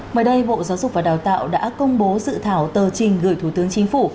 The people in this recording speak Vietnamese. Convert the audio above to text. mới đây bộ giáo dục và đào tạo đã công bố dự thảo tờ trình gửi thủ tướng chính phủ